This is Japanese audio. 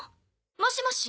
もしもし？